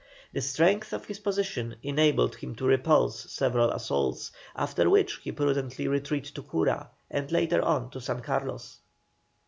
The strength of his position enabled him to repulse several assaults, after which he prudently retreated to Cura, and later on to San Carlos.